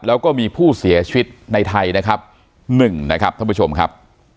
แล้วก็มีผู้เสียชีวิตในไทยนะครับ๑นะครับท่านผู้ชมครับ